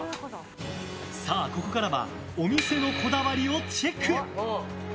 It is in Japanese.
さあ、ここからはお店のこだわりをチェック！